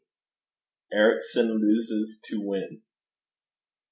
ERICSON LOSES TO WIN.